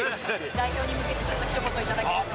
代表に向けてちょっとひと言頂けると。